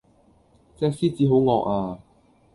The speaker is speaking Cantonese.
隻獅子好惡呀